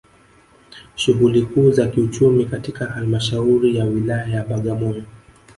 Shughuli kuu za kiuchumi katika Halmashauri ya Wilaya ya Bagamoyo